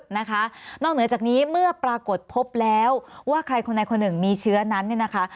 นะคะนอกเหนือจากนี้เมื่อปรากฏพบแล้วว่าใครคนใดคนหนึ่งมีเชื้อนั้นเนี่ยนะคะ